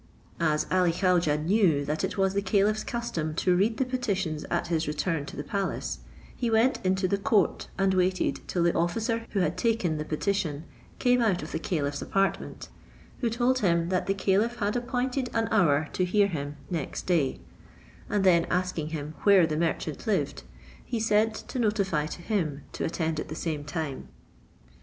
As Ali Khaujeh knew that it was the caliph's custom to read the petitions at his return to the palace, he went into the court, and waited till the officer who had taken the petition came out of the caliph's apartment, who told him that the caliph had appointed an hour to hear him next day; and then asking him where the merchant lived, he sent to notify to him to attend at the same time.